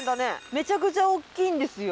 めちゃくちゃ大きいんですよ。